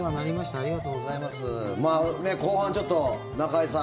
後半ちょっと、中居さん